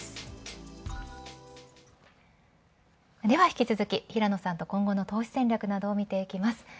では引き続き、平野さんと今後の投資戦略などを見ていきます。